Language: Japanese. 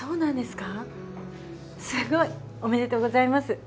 すごい。おめでとうございます。